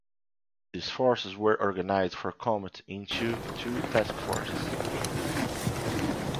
These forces were organized for combat into two task forces.